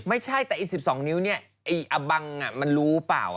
ไม่ใช่แต่อีก๑๒นิ้วเนี่ยไอ้อบังมันรู้เปล่า